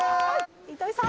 糸井さん。